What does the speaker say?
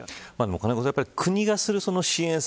金子さん、国が支援する支援策